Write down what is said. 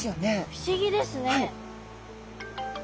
不思議ですね。